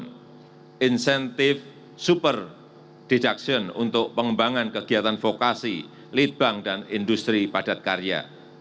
dan insentif super deduction untuk pengembangan kegiatan vokasi lead bank dan industri padat karya